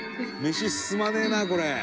飯進まねえなこれ」